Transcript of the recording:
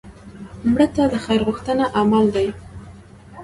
مړه ته د خیر غوښتنه عمل دی